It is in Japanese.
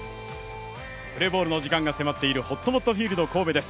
プレーボールの時間が迫っているほっともっとフィールド神戸です。